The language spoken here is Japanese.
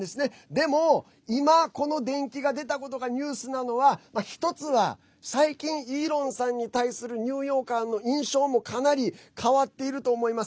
でも、今、この伝記が出たことがニュースなのは１つは最近イーロンさんに対するニューヨーカーの印象もかなり変わっていると思います。